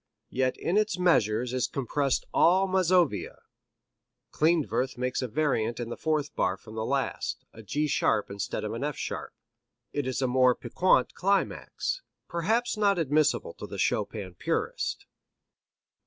Yet in its measures is compressed all Mazovia. Klindworth makes a variant in the fourth bar from the last, a G sharp instead of an F sharp. It is a more piquant climax, perhaps not admissible to the Chopin purist.